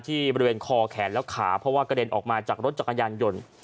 บริเวณคอแขนแล้วขาเพราะว่ากระเด็นออกมาจากรถจักรยานยนต์